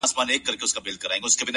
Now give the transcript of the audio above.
• د هر پلار كيسه د زوى په وينو سره ده,